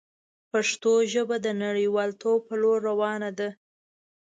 پښتو ژبه د نړیوالتوب په لور روانه ده.